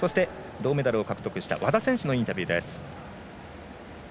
銅メダルを獲得した和田選手のインタビューです。